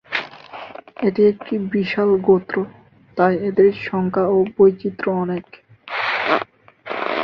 এটি একটি বিশাল গোত্র তাই এদের সংখ্যা ও বৈচিত্র্য অনেক।